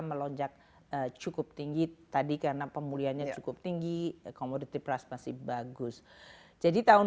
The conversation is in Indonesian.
melonjak cukup tinggi tadi karena pemulihan yang cukup tinggi komoditif ras masih bagus jadi tahun